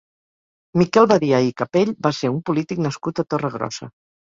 Miquel Badia i Capell va ser un polític nascut a Torregrossa.